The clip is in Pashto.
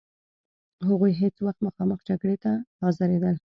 هغوی هیڅ وخت مخامخ جګړې ته حاضرېدل.